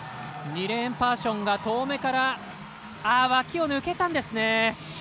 ニレーンパーションが遠めから脇を抜けたんですね。